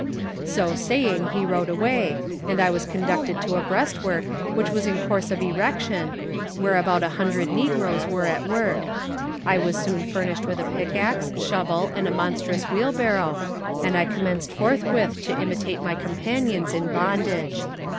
So saying he rode away, and I was conducted to a breast work which was in course of erection, where about a hundred negroes were at work. I was soon furnished with a pickaxe, shovel, and a monstrous wheelbarrow, and I commenced forthwith to imitate my companions in bondage.